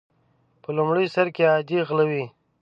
په لومړي سر کې عادي غله وي.